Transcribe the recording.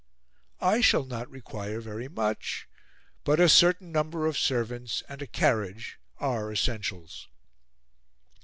I shall not require very much, but a certain number of servants and a carriage are essentials."